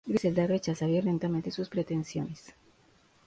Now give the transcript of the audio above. Griselda rechaza violentamente sus pretensiones.